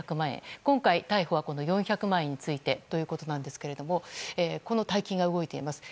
今回逮捕は４００万円についてということですがこの大金が動いています。